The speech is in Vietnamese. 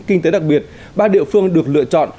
kinh tế đặc biệt ba địa phương được lựa chọn